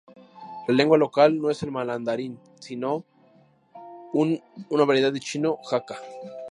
La lengua local no es el mandarín, sino una variedad de chino hakka.